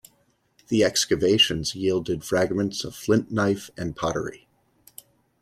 The excavations yielded fragments of flint knife and pottery.